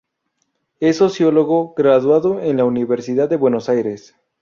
Es sociólogo, graduado en la Universidad de Buenos Aires.